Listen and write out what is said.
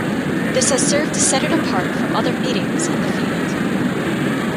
This has served to set it apart from other meetings in the field.